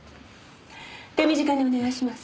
手短にお願いします。